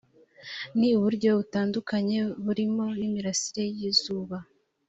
ni uburyo butandukanye burimo n’imirasire y’izuba